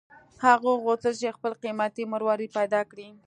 هغه غوښتل چې خپل قیمتي مروارید پیدا کړي.